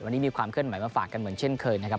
วันนี้มีความเคลื่อนไหวมาฝากกันเหมือนเช่นเคยนะครับ